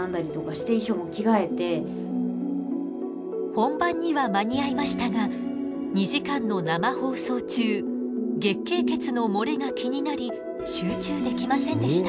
本番には間に合いましたが２時間の生放送中月経血の漏れが気になり集中できませんでした。